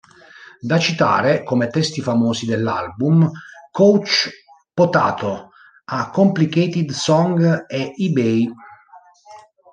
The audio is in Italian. Da citare, come testi famosi dell'album, "Couch Potato", "A Complicated Song" e "eBay".